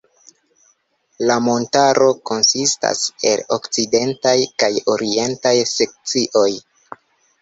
La montaro konsistas el okcidentaj kaj orientaj sekcioj.